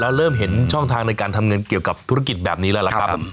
แล้วเริ่มเห็นช่องทางในการทำเงินเกี่ยวกับธุรกิจแบบนี้แล้วล่ะครับ